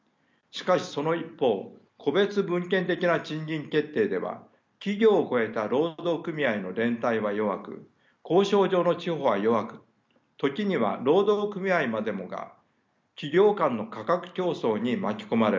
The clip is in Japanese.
しかしその一方個別分権的な賃金決定では企業を超えた労働組合の連帯は弱く交渉上の地歩は弱く時には労働組合までもが企業間の価格競争に巻き込まれます。